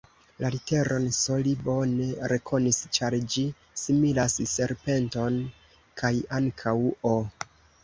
La literon S li bone rekonis, ĉar ĝi similas serpenton, kaj ankaŭ O.